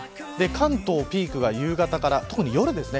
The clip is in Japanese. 関東のピークが夕方から特に夜ですね。